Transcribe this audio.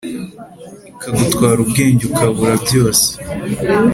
Ikagutwara ubwenge ukabura byose